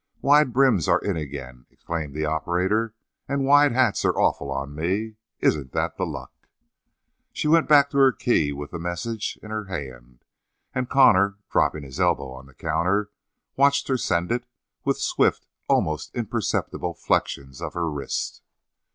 "Wide brims are in again," exclaimed the operator, "and wide hats are awful on me; isn't that the luck?" She went back to her key with the message in her hand, and Connor, dropping his elbows on the counter, watched her send it with swift almost imperceptible flections of her wrist.